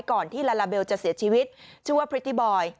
ก่อนที่ลาลาเบลจะเสียชีวิตชื่อว่าพริตตี้บอย